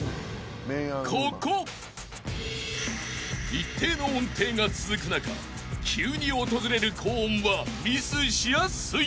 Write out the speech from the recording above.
［一定の音程が続く中急に訪れる高音はミスしやすい］